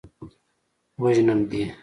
وژنم دې.